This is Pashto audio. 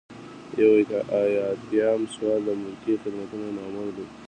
یو ایاتیام سوال د ملکي خدمتونو مامور دی.